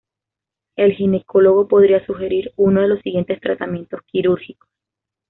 El ginecólogo podría sugerir uno de los siguientes tratamientos quirúrgicos.